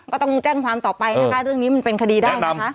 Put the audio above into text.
ก็ต้องแจ้งความต่อไปนะคะเรื่องนี้มันเป็นคดีได้นะคะ